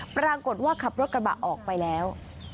ปรากฏว่าขับรถกระบะออกไปแล้ว